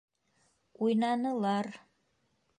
Уйнанылар.